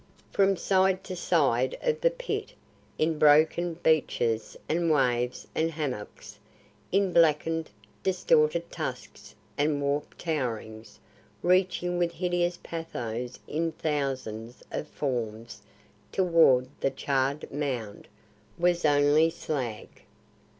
From side to side of the Pit, in broken beaches and waves and hummocks, in blackened, distorted tusks and warped towerings, reaching with hideous pathos in thousands of forms toward the charred mound, was only slag.